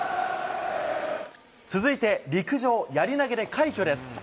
続いて陸上やり投げで快挙です。